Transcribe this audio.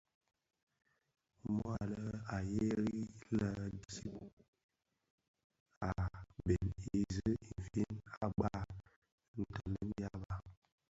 Mua a lè a gheri lè dhib a bhen i zi infin i bagha ntoňèn dhyaba.